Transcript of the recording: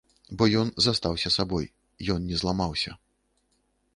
Бо ён застаўся сабой, ён не зламаўся.